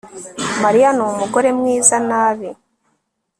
mariya ni umugore mwiza nabi